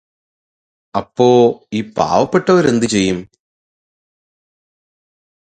അപ്പോ ഈ പാവപ്പെട്ടവർ എന്തു ചെയ്യും?